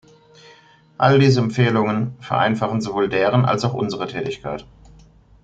All diese Empfehlungen vereinfachen sowohl deren als auch unsere Tätigkeit.